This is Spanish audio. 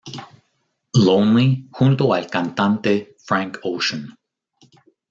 Lonely" junto al cantante Frank Ocean.